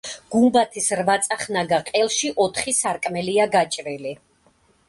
გუმბათის რვაწახნაგა ყელში ოთხი სარკმელია გაჭრილი.